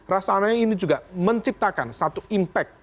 rasanya ini juga menciptakan satu impact